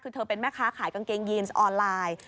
คือเธอเป็นแม่ค้าขายกางเกงยีนออนไลน์